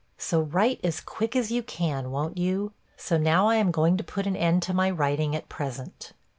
So write as quick as you can, won't you? So now I am going to put an end to my writing, at present.